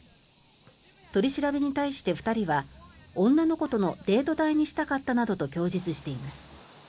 取り調べに対して２人は女の子とのデート代にしたかったなどと供述しています。